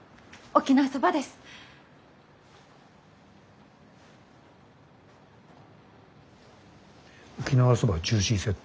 沖縄そばセット